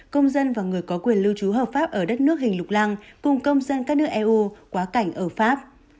công dân và người có quyền lưu trú hợp pháp ở đất nước hình lục lăng cùng công dân các nước eu quá cảnh ở pháp